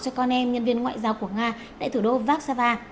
cho con em nhân viên ngoại giao của nga tại thủ đô vác sava